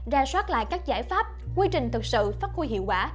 rà soát lại các giải pháp quy trình thực sự phát khui hiệu quả